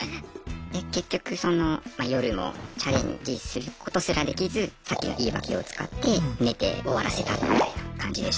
で結局その夜もチャレンジすることすらできずさっきの言い訳を使って寝て終わらせたみたいな感じでしたね。